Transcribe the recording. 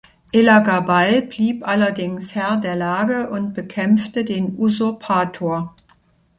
Elagabal blieb allerdings Herr der Lage und bekämpfte den Usurpator.